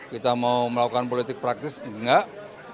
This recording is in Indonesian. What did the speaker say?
kita mau melakukan politik praktis enggak